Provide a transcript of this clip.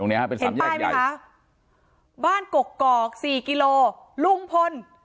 ตรงนี้ครับเป็นสำแยกใหญ่บ้านกรอก๔กิโลกรัมลุงพล